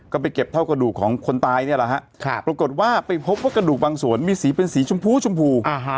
ก็ไปเก็บเท่ากระดูกของคนตายเนี่ยแหละฮะปรากฏว่าไปพบว่ากระดูกบางส่วนมีสีเป็นสีชมพูชมพู